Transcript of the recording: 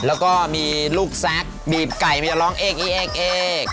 แล้วก็มีลูกแซกบีบไก่ไม่จะร้องเอก